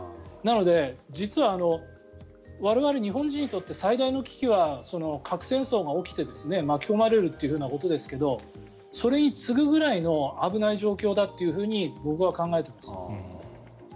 なので、実は我々日本人にとって最大の危機は核戦争が起きて巻き込まれるということですがそれに次ぐぐらいの危ない状況だと僕は考えています。